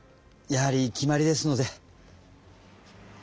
やはり決まりですので。